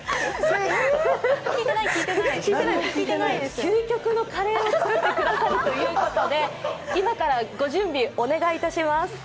究極のカレーを作ってくださるということで今からご準備お願いいたします。